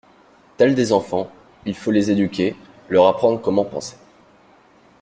Tels des enfants, il faut les éduquer, leur apprendre comment penser.